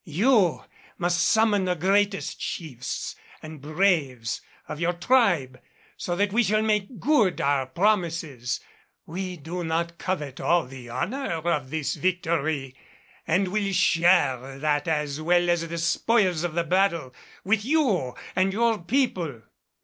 You must summon the greatest chiefs and braves of your tribe, so that we shall make good our promises. We do not covet all the honor of this victory, and will share that as well as the spoils of the battle with you and your people."